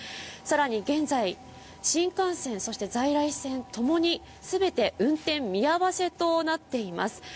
さらに現在、新幹線、そして在来線ともに全て運転見合わせとなっています。